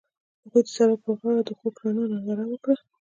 هغوی د سړک پر غاړه د خوږ رڼا ننداره وکړه.